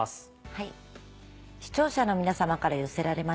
はい。